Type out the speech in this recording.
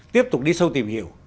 tiếp tục đi sâu tìm hiểu